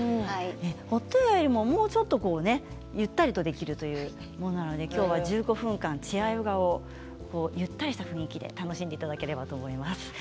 ホットヨガよりももうちょっと、ゆったりできるというものなので今日１５分間、チェアヨガをゆったりした雰囲気で楽しんでいただければと思います。